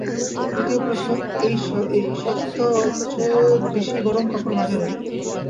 দ্বিতীয় প্রশ্ন এই, সস্তা অথচ দিশি গরম কাপড় বাজারে নেই।